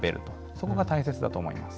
そこが大切だと思います。